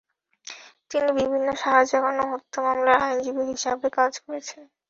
তিনি বিভিন্ন সাড়া জাগানো হত্যা মামলায় আইনজীবী হিসেবে কাজ করেছেন।